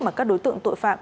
mà các đối tượng tội phạm